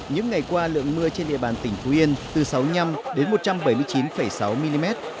những ngày qua lượng mưa trên địa bàn tỉnh phú yên từ sáu mươi năm đến một trăm bảy mươi chín sáu mm